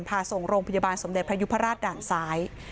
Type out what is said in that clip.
พาส่งโรงพยาบาลสมเด็จพระยุพราชด่านซ้าย